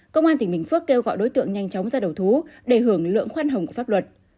công an tỉnh bình phước kêu gọi đối tượng nhanh chóng ra đầu thú để hưởng lượng khoan hồng của pháp luật